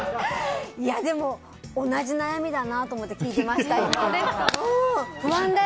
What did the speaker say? でも、同じ悩みだなと思って聞いてました、今。